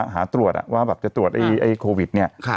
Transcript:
หาตรวจว่าแบบจะตรวจโควิดเนี่ย